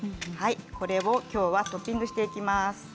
これは、きょうトッピングしていきます。